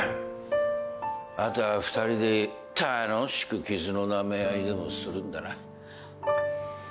あとは２人で楽しく傷のなめ合いでもするんだな。